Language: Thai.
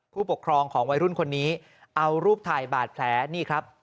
ผู้ปกครองของวัยรุ่นคนนี้เอารูปถ่ายบาดแผลนี่ครับ